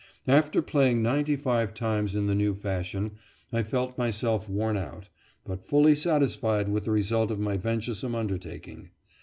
After playing ninety five times in the new fashion, I felt myself worn out, but fully satisfied with the result of my venturesome undertaking.